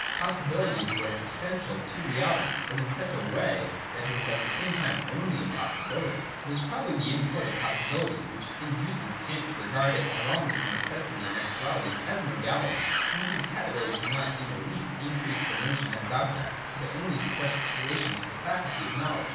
Possibility is what is essential to reality, but in such a way that it is at the same time only a possibility. s 2 26o THE DOCTRINE OF ESSENCE. [143 It was probably the import of Possibility which in duced Kant to regard it along with necessity and ac tuality as Modalities, 'since these categories do not in the least increase the notion as object, but only express its relation to the faculty of knowledge.'